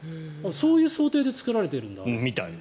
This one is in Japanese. そういう想定で作られているんだ。